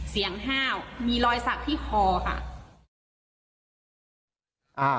เสียงห้าวมีรอยศักดิ์ที่คอค่ะ